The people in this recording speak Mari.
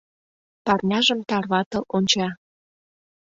Парняжым тарватыл онча.